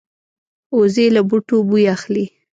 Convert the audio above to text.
وزې له بوټو بوی اخلي